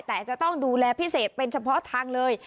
แต่จะต้องดูแลพิเศษเป็นเฉพาะทางเลย